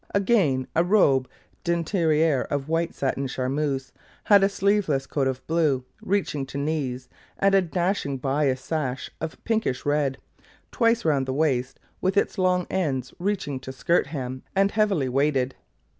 Again a robe d'interior of white satin charmeuse, had a sleeveless coat of blue, reaching to knees, and a dashing bias sash of pinkish red, twice round the waist, with its long ends reaching to skirt hem and heavily weighted.